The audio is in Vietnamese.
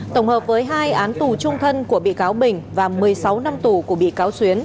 tổng hợp với hai án tù trung thân của bị cáo bình và một mươi sáu năm tù của bị cáo xuyến